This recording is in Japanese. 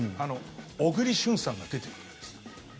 小栗旬さんが出てくるんです。